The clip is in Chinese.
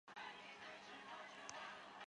莱斯卡马泽人口变化图示